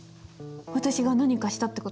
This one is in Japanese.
私が何かしたって事？